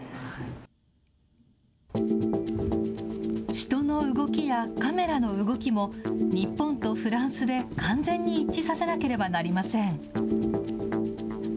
人の動きやカメラの動きも、日本とフランスで完全に一致させなければなりません。